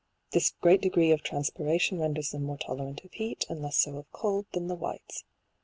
This great degree of transpiration ren ders them more tolerant of heat, and less so of cold, than the whites.